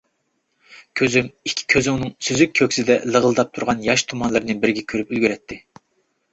كۆزۈم ئىككى كۆزۈڭنىڭ سۈزۈك كۆكسىدە لىغىلداپ تۇرغان ياش تۇمانلىرىنى بىرگە كۆرۈپ ئۈلگۈرەتتى.